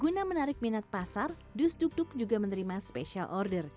guna menarik minat pasar dus duk duk juga menerima special order